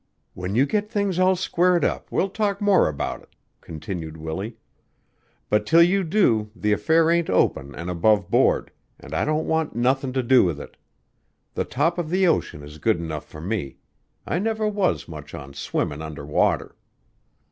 "When you get things all squared up, we'll talk more about it," continued Willie. "But 'til you do the affair ain't open an' above board, an' I don't want nothin' to do with it. The top of the ocean is good enough for me; I never was much on swimmin' under water."